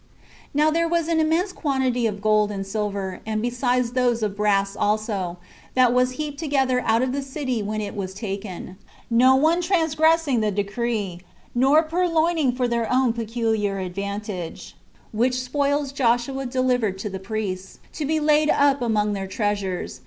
9. Now there was an immense quantity of silver and gold, and besides those of brass also, that was heaped together out of the city when it was taken, no one transgressing the decree, nor purloining for their own peculiar advantage; which spoils Joshua delivered to the priests, to be laid up among their treasures.